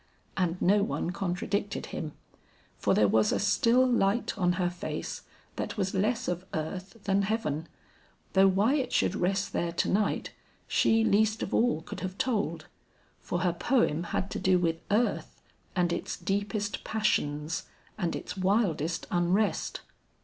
And no one contradicted him, for there was a still light on her face that was less of earth than heaven, though why it should rest there to night she least of all could have told, for her poem had to do with earth and its deepest passions and its wildest unrest.